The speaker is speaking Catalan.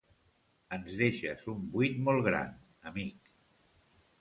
Ens deixes un buit molt gran, amic.